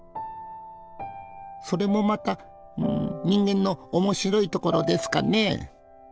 それもまた人間の面白いところですかね。